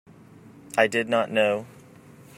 I did not know.